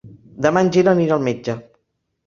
Demà en Gil anirà al metge.